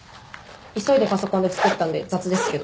急いでパソコンでつくったんで雑ですけど。